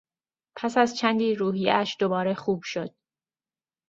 پس از چندی روحیهاش دوباره خوب شد.